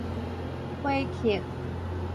火刻